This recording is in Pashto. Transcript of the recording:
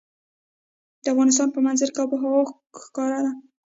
د افغانستان په منظره کې آب وهوا ښکاره ده.